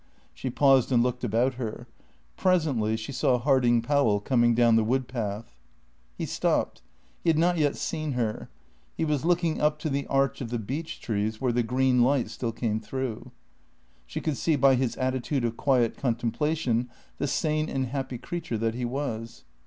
She paused and looked about her. Presently she saw Harding Powell coming down the wood path. He stopped. He had not yet seen her. He was looking up to the arch of the beech trees, where the green light still came through. She could see by his attitude of quiet contemplation the sane and happy creature that he was.